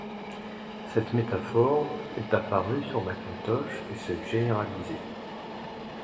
Cette métaphore est apparue sur Macintosh et s'est généralisée.